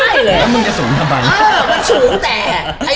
แล้วมึงจะสูงทำไม